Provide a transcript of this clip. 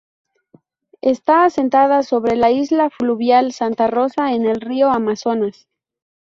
Está asentada sobre la isla fluvial Santa Rosa en el río Amazonas.